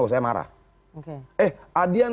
oh saya marah eh adian